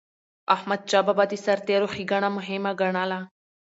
احمدشاه بابا به د سرتيرو ښيګڼه مهمه ګڼله.